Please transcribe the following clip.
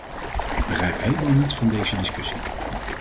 Ik begrijp helemaal niets van deze discussie.